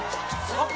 あっ！